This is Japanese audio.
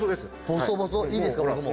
ボソボソ？いいですか僕も。